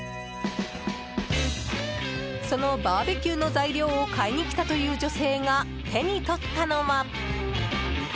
そのバーベキューの材料を買いに来たという女性が手に取ったのは。